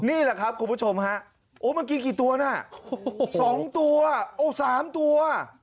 นี่แหละครับคุณผู้ชมฮะโอ้มันกินกี่ตัวน่ะโอ้โหสองตัวโอ้สามตัว